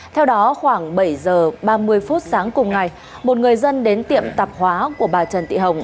theo đó khoảng bảy h ba mươi phút sáng cùng ngày một người dân đến tiệm tạp hóa của bà trần thị hồng